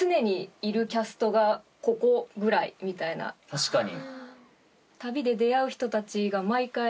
確かに。